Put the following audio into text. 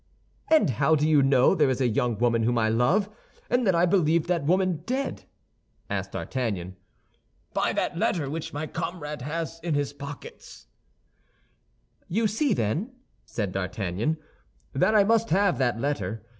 "And how do you know there is a young woman whom I love, and that I believed that woman dead?" asked D'Artagnan. "By that letter which my comrade has in his pocket." "You see, then," said D'Artagnan, "that I must have that letter.